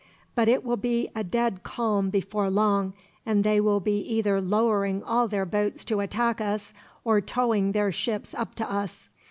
But it will be a dead calm before long, and they will be either lowering all their boats to attack us, or towing their ships up to us.